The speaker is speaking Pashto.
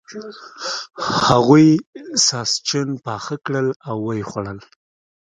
هغوی ساسچن پاخه کړل او و یې خوړل.